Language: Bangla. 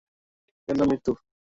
এর নাম মৃত্যু!